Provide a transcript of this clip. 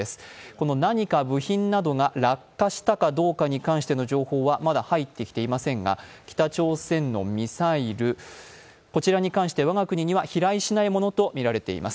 この何か部品などが落下したかどうかの情報はまだ入ってきていませんが、北朝鮮のミサイル、こちらに関して我が国には飛来しないものと見られています。